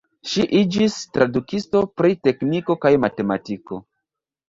Ŝi iĝis tradukisto pri tekniko kaj matematiko.